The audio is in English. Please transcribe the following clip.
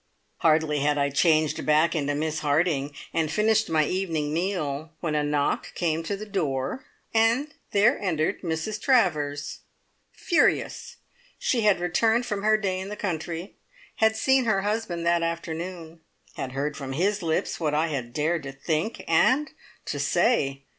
Hardly had I changed back into Miss Harding, and finished my evening meal, when a knock came to the door, and there entered Mrs Travers. Furious! She had returned from her day in the country; had seen her husband that afternoon; had heard from his lips what I had dared to think and to say!